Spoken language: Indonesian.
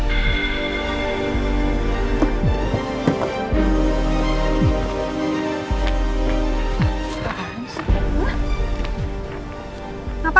tidak ada apa apa